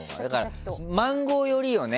マンゴー寄りよね